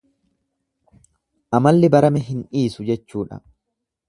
Amalli barame hin dhiisu jechuudha.